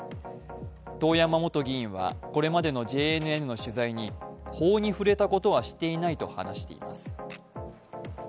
遠山元議員はこれまでのＪＮＮの取材に、法に触れたことはしていないと話しています。